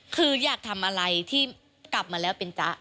คืออยากทำอะไรที่กลับมาแล้วเป็นจ๊ะ